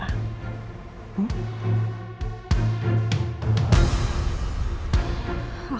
tante nyuruh dia